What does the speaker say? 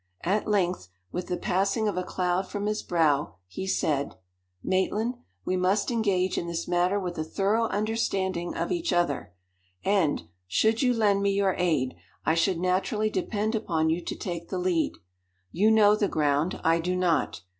At length, with the passing of a cloud from his brow, he said: "Maitland, we must engage in this matter with a thorough understanding of each other, and, should you lend me your aid, I should naturally depend upon you to take the lead. You know the ground; I do not.